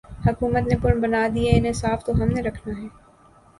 حکومت نے پل بنادیئے انہیں صاف تو ہم نے رکھنا ہے۔